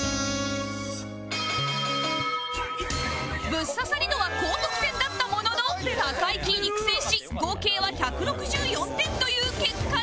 ブッ刺さり度は高得点だったものの高いキーに苦戦し合計は１６４点という結果に